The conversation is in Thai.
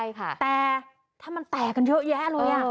ใช่ค่ะแต่ถ้ามันแตกกันเยอะแยะเลยอ่ะ